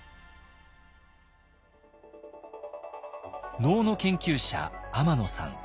能の研究者天野さん。